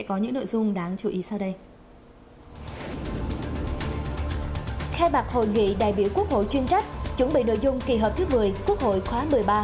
khai mạc hội nghị đại biểu quốc hội chuyên trách chuẩn bị nội dung kỳ họp thứ một mươi quốc hội khóa một mươi ba